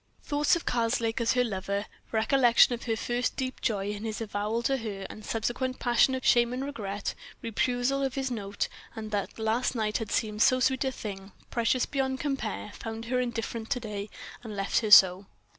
Thoughts of Karslake as her lover, recollection of her first deep joy in his avowal and her subsequent passion of shame and regret, re perusal of his note, that last night had seemed so sweet a thing, precious beyond compare—found her indifferent to day, and left her so.